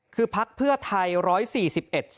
คือภักดิ์เพื่อไทย๑๔๑เสียงเนี่ยนะฮะ